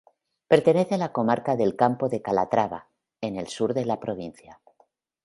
Pertenece a la comarca del Campo de Calatrava, en el sur de la provincia.